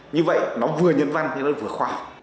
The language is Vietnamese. như vậy nó vừa nhân văn nhưng nó vừa khoa học